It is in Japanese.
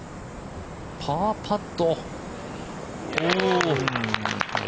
パーパット。